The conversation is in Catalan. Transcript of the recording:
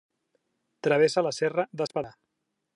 Travessa la Serra d'Espadà.